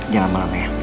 jangan lama lama ya